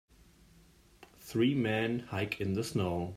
three men hike in the snow.